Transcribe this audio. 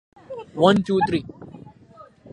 Yohana sura ya kumi na nne aya ya kumi